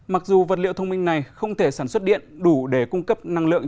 mặc dù vật liệu thông minh này không thể sản xuất điện đủ để cung cấp năng lượng